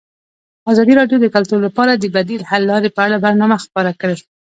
ازادي راډیو د کلتور لپاره د بدیل حل لارې په اړه برنامه خپاره کړې.